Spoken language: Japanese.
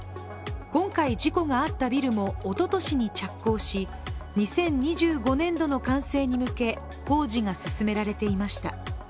今回事故があったビルもおととしに着工し２０２５年度の完成に向け工事が進められていました。